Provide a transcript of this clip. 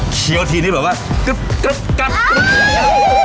เคี้ยวทีนี้คือคือแบบว่า